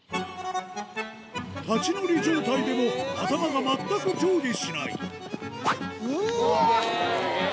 立ち乗り状態でも頭が全く上下しないうわっ！